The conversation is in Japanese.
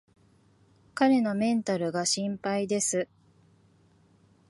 彼のメンタルが心配です